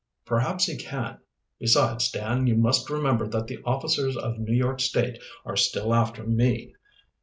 "Perhaps he can. Besides, Dan, you must remember that the officers of New York State are still after me."